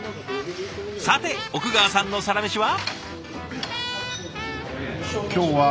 さて奥川さんのサラメシは？